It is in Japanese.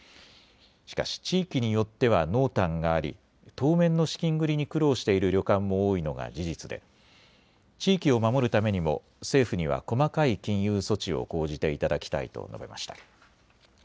しかし地域によっては濃淡があり当面の資金繰りに苦労している旅館も多いのが事実で地域を守るためにも政府には細かい金融措置を講じていただきたいと述べました。